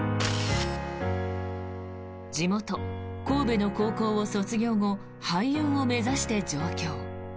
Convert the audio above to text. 地元・神戸の高校を卒業後俳優を目指して上京。